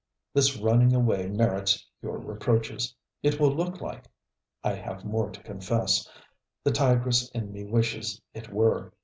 This running away merits your reproaches. It will look like . I have more to confess: the tigress in me wishes it were!